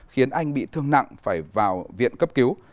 khiến anh bị thương nặng phải vào viện cấp cứu